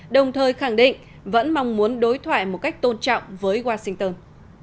đồng thời khẳng định vẫn mong muốn đối thoại một cách tôn trọng với washington